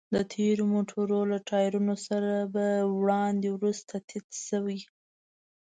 د تېرېدونکو موټرو له ټايرونو سره به وړاندې وروسته تيت شوې.